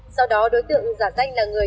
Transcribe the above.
sau đó đối tượng giả danh là người